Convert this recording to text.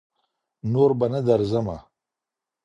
نور بــه نـه درځمـــه